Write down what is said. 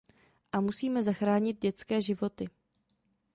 A musíme zachránit dětské životy.